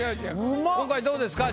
今回どうですか？